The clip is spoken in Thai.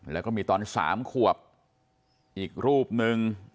แล้วก็มีตอน๓ขวบอีกรูปนึง